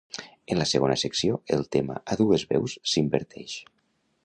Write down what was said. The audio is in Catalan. En la segona secció, el tema a dues veus s'inverteix.